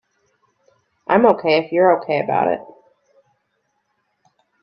I'm OK if you're OK about it.